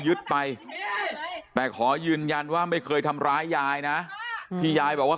ยึดไปแต่ขอยืนยันว่าไม่เคยทำร้ายยายนะที่ยายบอกว่า